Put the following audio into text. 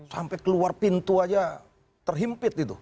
sampai keluar pintu aja terhimpit itu